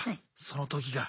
その時が。